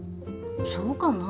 そうかな？